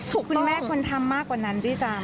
ถูกต้องคุณแม่ควรทำมากกว่านั้นที่จำ